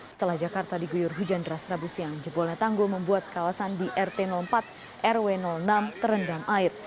setelah jakarta diguyur hujan deras rabu siang jebolnya tanggul membuat kawasan di rt empat rw enam terendam air